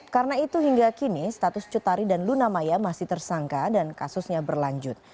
karena itu hingga kini status cutari dan luna maya masih tersangka dan kasusnya berlanjut